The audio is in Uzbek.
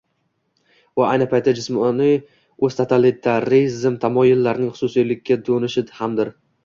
va ayni paytda ijtimoiy “o‘ztotalitarizm” tamoyilining xususiylikka do‘nishi hamdir.